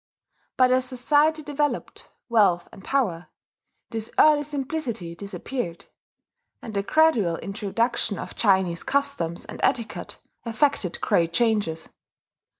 But as society developed wealth and power, this early simplicity disappeared, and the gradual introduction of Chinese customs and etiquette effected great changes.